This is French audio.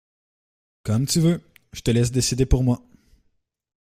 Comme tu veux, je te laisse décider pour moi.